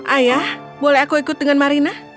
ayah boleh aku ikut dengan marina